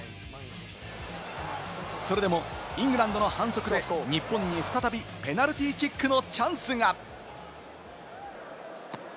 それでもイングランドの反則で、日本に再びペナルティーキックのチャンスが。